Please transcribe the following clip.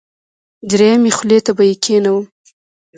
دریمې خولې ته به یې کېنوم.